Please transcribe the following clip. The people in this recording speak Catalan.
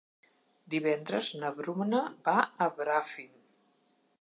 Divendres na Bruna va a Bràfim.